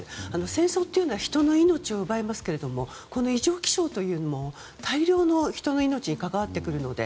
戦争というのは人の命を奪いますけどもこの異常気象というのも大量の人の命に関わってくるので。